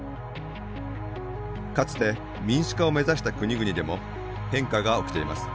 かつて民主化を目指した国々でも変化が起きています。